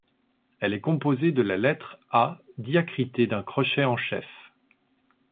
Elle est composée de la lettre A diacritée d'un crochet en chef.